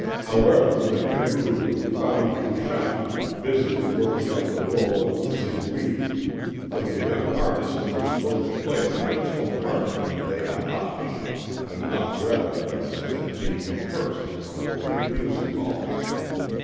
However, the Kerûb found Bouchotte busily working up the rôle of Zigouille; for the young artiste was booked to play the principal part in Les Apaches, an operetta that was then being rehearsed in one of the big music halls.